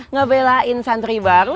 ngebelain santri baru